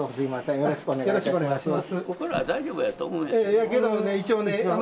よろしくお願いします。